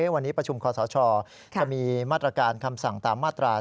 วันนี้ประชุมคอสชจะมีมาตรการคำสั่งตามมาตรา๔